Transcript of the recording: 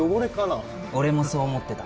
俺もそう思ってた。